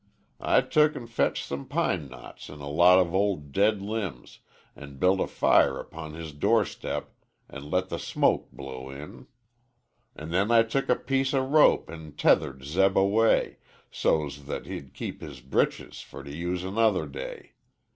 I took an' fetched some pine knots an' a lot of ol' dead limbs, An' built a fire upon his door step an' let the smoke blow in; An' then I took a piece o' rope an' tethered Zeb away So's that he'd keep his breeches fer to use another day.